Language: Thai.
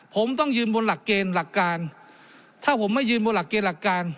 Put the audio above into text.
ผมต้องยืนบนหลักเกณฑ์หลักการถ้าผมไม่ยืนบนหลักเกณฑ์หลักการ